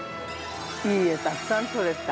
◆いい画たくさん撮れた。